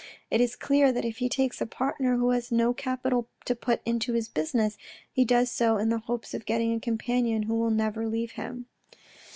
It is clear that if he takes a partner who has no capital to put into his business, he does so in the hopes of getting a companion who will never leave him."